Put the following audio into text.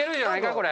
これ。